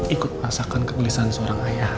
ikut merasakan kegelisahan seorang ayah